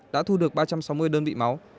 đã thu được ba trăm sáu mươi đơn vị máu